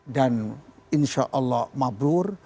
dan insya allah mabrur